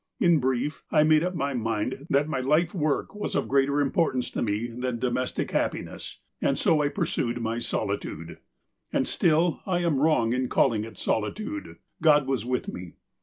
In brief, I made uj) my mind that my life work was of THE GRAND OLD MAN 373 greater importance to me tlian domestic happiness ; and so I pursued my solitude. And still, I am wrong in call ing it solitude. God was with me.